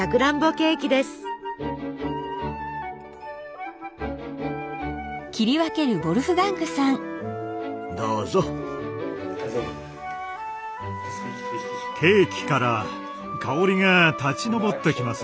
ケーキから香りが立ち上ってきます。